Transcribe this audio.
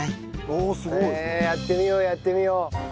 やってみようやってみよう！